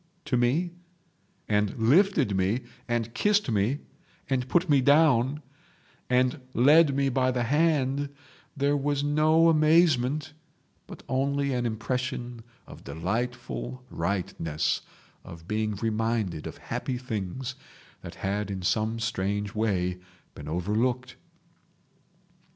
to me, and lifted me, and kissed me, and put me down, and led me by the hand, there was no amazement, but only an impression of delightful rightness, of being reminded of happy things that had in some strange way been overlooked.